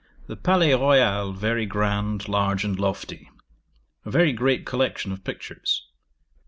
The Palais Royal very grand, large, and lofty. A very great collection of pictures.